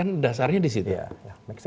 semoga berjalan dengan baik